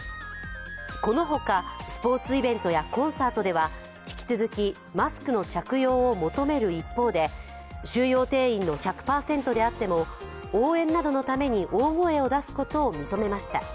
このほか、スポーツイベントやコンサートでは引き続きマスクの着用を求める一方で収容定員の１００％であっても応援などのために大声を出すことを認めました。